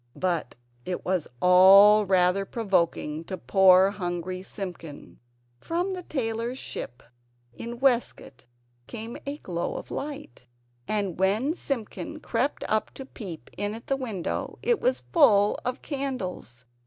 But it was all rather provoking to poor hungry Simpkin. From the tailor's ship in Westgate came a glow of light; and when Simpkin crept up to peep in at the window it was full of candles.